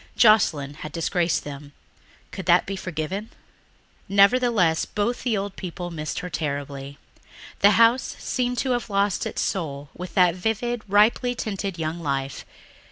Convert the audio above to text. Joscelyn had disgraced them; could that be forgiven? Nevertheless both the old people missed her terribly. The house seemed to have lost its soul with that vivid, ripely tinted young life.